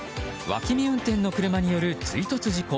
脇見運転の車による追突事故。